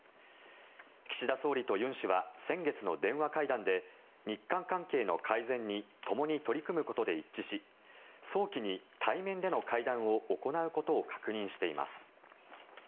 岸田総理と尹氏は先月の電話会談で日韓関係の改善にともに取り組むことで一致し早期に対面での会談を行うことを確認しています。